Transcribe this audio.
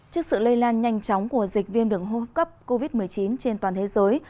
trước sự lây lan nhanh chóng của dịch viêm đường hô hấp cấp covid một mươi chín trên toàn thế giới